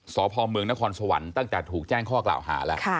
สพเมืองนครสวรรค์ตั้งแต่ถูกแจ้งข้อกล่าวหาแล้ว